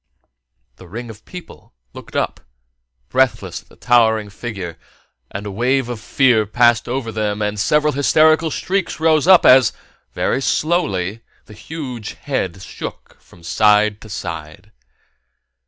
The ring of people looked up breathless at the towering figure, and a wave of fear passed over them and several hysterical shrieks rose up as, very slowly, the huge head shook from side to side.